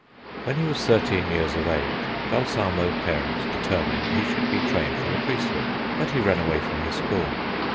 When he was thirteen years of age, Balsamo's parents determined he should be trained for the priesthood, but he ran away from his school.